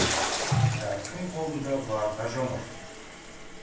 Әркім қолында барына жомарт.